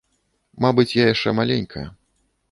Мабыць, я яшчэ маленькая.